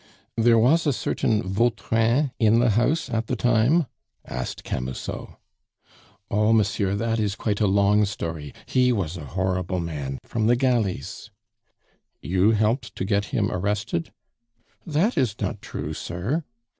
"There was a certain Vautrin in the house at the time?" asked Camusot. "Oh, monsieur, that is quite a long story; he was a horrible man, from the galleys " "You helped to get him arrested?" "That is not true sir."